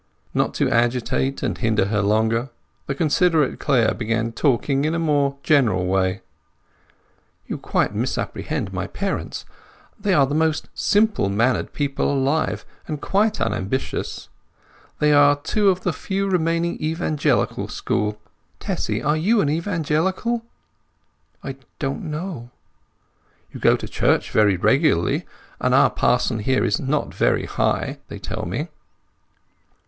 Not to agitate and hinder her longer, the considerate Clare began talking in a more general way: "You quite misapprehend my parents. They are the most simple mannered people alive, and quite unambitious. They are two of the few remaining Evangelical school. Tessy, are you an Evangelical?" "I don't know." "You go to church very regularly, and our parson here is not very High, they tell me."